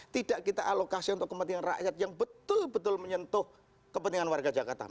tidak kita alokasi untuk kepentingan rakyat yang betul betul menyentuh kepentingan warga jakarta